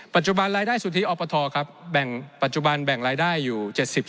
ปัจจุบันรายได้สุทธิอปทครับแบ่งปัจจุบันแบ่งรายได้อยู่๗๐